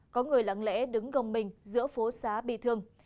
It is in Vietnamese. có người lặng lẽ đứng gồng mình giữa phố xá bi thương